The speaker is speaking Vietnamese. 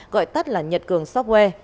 gọi tắt là nhật cường software